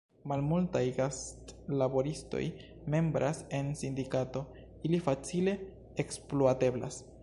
Malmultaj gastlaboristoj membras en sindikato; ili facile ekspluateblas.